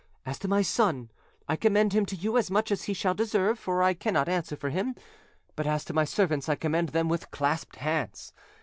As to my son, I commend him to you as much as he shall deserve, for I cannot answer for him; but as to my servants, I commend them with clasped hands.